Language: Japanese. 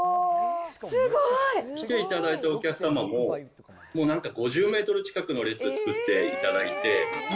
すごい。来ていただいたお客様も、もうなんか５０メートル近くの列作っていただいて。